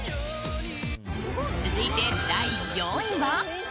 続いて、第４位は。